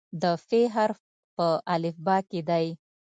د "ف" حرف په الفبا کې دی.